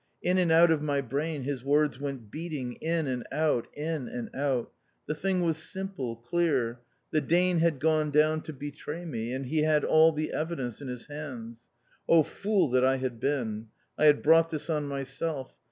In and out of my brain his words went beating, in and out, in and out. The thing was simple, clear. The Dane had gone down to betray me, and he had all the evidence in his hands. Oh, fool that I had been! I had brought this on myself.